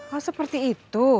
oh seperti itu